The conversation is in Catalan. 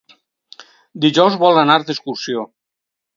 Dijous vol anar d'excursió.